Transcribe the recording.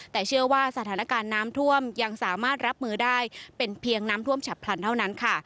แต่เชื่อว่าสถานการณ์น้ำท่วมยังสามารถรับมือได้เป็นเพียงน้ำท่วมฉับพลันเท่านั้นค่ะ